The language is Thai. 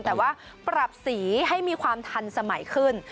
แต่ว่าปรับสีให้มีความทันสมัยขึ้น